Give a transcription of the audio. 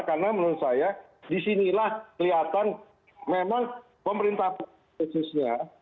karena menurut saya disinilah kelihatan memang pemerintah pusat khususnya